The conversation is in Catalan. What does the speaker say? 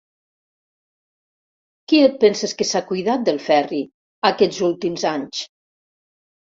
Qui et penses que s'ha cuidat del Ferri aquests últims anys?